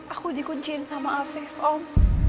aku di kuncin sama afif om